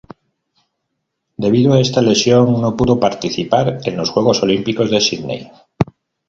Debido a esta lesión no pudo participar en los Juegos Olímpicos de Sídney.